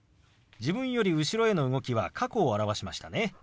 自分より後ろへの動きは過去を表しましたね。